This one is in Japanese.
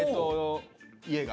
家が？